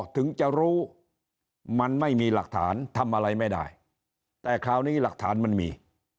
ถึงจะรู้มันไม่มีหลักฐานทำอะไรไม่ได้แต่คราวนี้หลักฐานมันมี